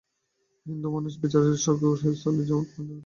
হিন্দুমনের বিচারে স্বর্গও স্থূল জগতের অন্তর্গত।